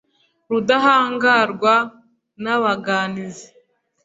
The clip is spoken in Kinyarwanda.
Rudahangarwa n’abaganizi,